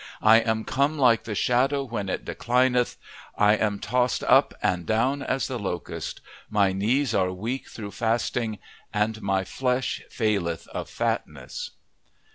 "I am come like the shadow when it declineth: I am tossed up and down as the locust. "My knees are weak through fasting; and my flesh faileth of fatness."